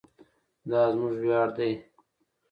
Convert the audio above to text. دا زموږ ویاړ دی.